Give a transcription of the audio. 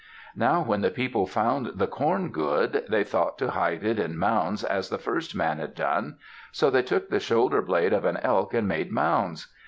Now when the people found the corn good, they thought to hide it in mounds as the first man had done. So they took the shoulder blade of an elk and made mounds.